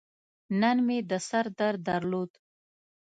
نن مې د سر درد درلود.